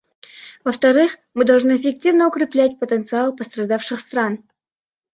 Во-вторых, мы должны эффективно укреплять потенциал пострадавших стран.